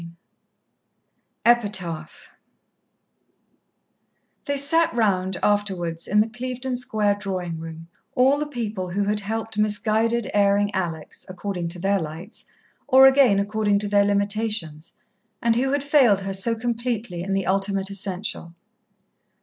XXX Epitaph They sat round, afterwards, in the Clevedon Square drawing room all the people who had helped misguided, erring Alex, according to their lights, or again, according to their limitations, and who had failed her so completely in the ultimate essential.